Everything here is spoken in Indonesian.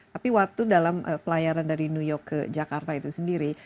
tapi waktu dalam pelayaran dari new york ke jakarta itu sendiri